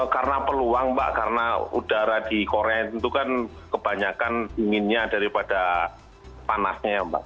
karena peluang mbak karena udara di korea itu kan kebanyakan dinginnya daripada panasnya ya mbak